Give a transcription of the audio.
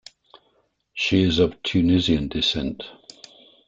She is of Tunisian descent.